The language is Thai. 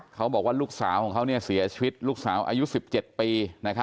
เขาบอกว่าลูกสาวของเขาเสียชีวิตลูกสาวอายุ๑๗ปี